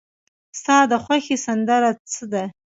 ستا د خوښې سندره څه ده؟